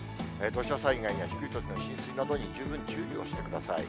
土砂災害や低い土地の浸水などに十分注意をしてください。